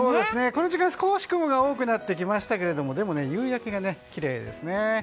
この時間少し雲が多くなってきましたけどでも、夕焼けがきれいですね。